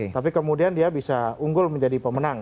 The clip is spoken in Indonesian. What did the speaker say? tapi kemudian dia bisa unggul menjadi pemenang